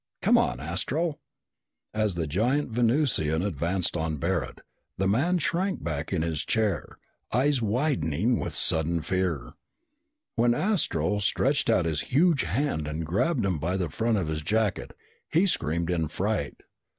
Come on, Astro!" As the giant Venusian advanced on Barret, the man shrank back in his chair, eyes widening in sudden fear. When Astro stretched out his huge hand and grabbed him by the front of his jacket, he screamed in fright.